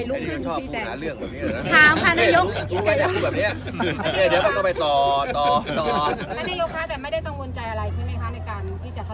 ยังอุ่นใจขึ้นมั้ยคะเพราะมีโองค์ฮรักษณ์